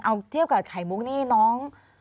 เอาเทียบกับไข่มุกนี่น้อง